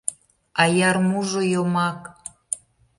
АЯРМУЖО ЙОМАК